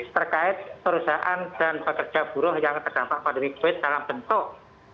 terkait perusahaan dan pekerja buruh yang terdampak pandemi covid dalam bentuk